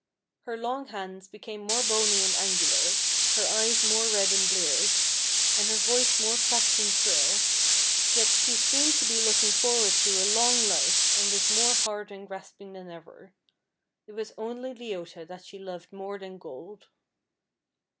Her long hands became more bony and angular, her eyes more red and bleared, and her voice more cracked and shrill; yet she seemed to be looking forward to a long life, and was more hard and grasping than ever. It was only Leota that she loved more than gold.